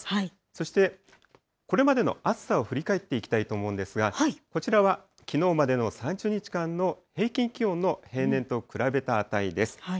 そして、これまでの暑さを振り返っていきたいと思うんですが、こちらはきのうまでの３０日間の平均気温の平年と比べた値です。